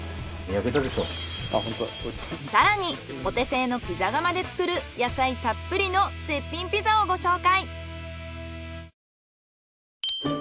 更にお手製のピザ窯で作る野菜たっぷりの絶品ピザをご紹介。